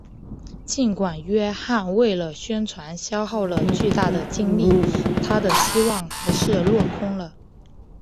尽管约翰为了宣传耗费了巨大的精力他的希望还是落空了。